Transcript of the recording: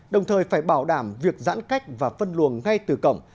đồng thời phải bảo đảm việc giãn cách và phân luồng ngay từ cổng